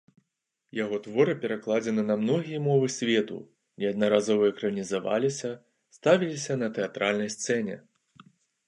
Яго творы перакладзены на многія мовы свету, неаднаразова экранізаваліся, ставіліся на тэатральнай сцэне.